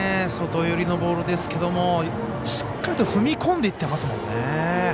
外寄りのボールですけどしっかりと踏み込んでいってますもんね。